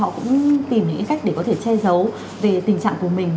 họ cũng tìm những cái cách để có thể che giấu về tình trạng của mình